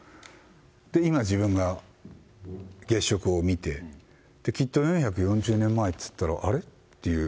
で、今、自分が月食を見て、きっと４４０年前っていったら、あれ？っていう。